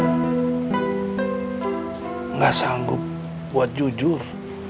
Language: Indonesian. tidak sanggup buat jujur